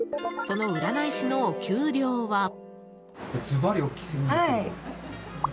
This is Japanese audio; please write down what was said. その占い師のお給料は。